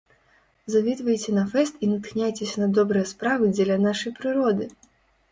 Завітвайце на фэст і натхняйцеся на добрыя справы дзеля нашай прыроды!